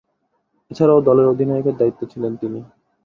এছাড়াও দলের অধিনায়কের দায়িত্বে ছিলেন তিনি।